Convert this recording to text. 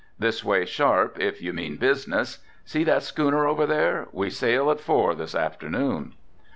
This way sharp if you mean business. See that schooner over there, we sail at four this afternoon."